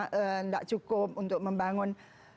tidak cukup untuk membangun